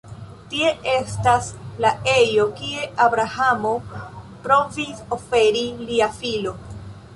Tie estas la ejo kie Abrahamo provis oferi lia filo.